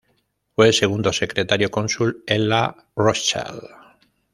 Fue Segundo Secretario-Cónsul en La Rochelle.